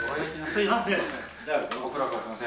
すみません。